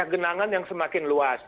genangan yang semakin luas